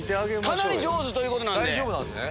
かなり上手ということなんで。